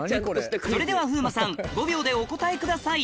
それでは風磨さん５秒でお答えください